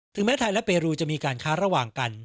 แม้ไทยและเปรูจะมีการค้าระหว่างกัน